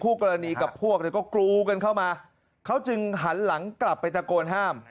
กรณีกับพวกเนี่ยก็กรูกันเข้ามาเขาจึงหันหลังกลับไปตะโกนห้าม